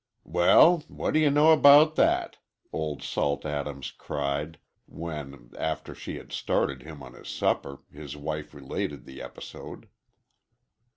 "Well, what do you know about that!" Old Salt Adams cried, when, after she had started him on his supper, his wife related the episode.